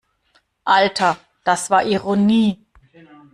Alter, das war Ironie!